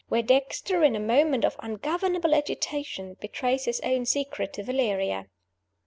where Dexter, in a moment of ungovernable agitation, betrays his own secret to Valeria.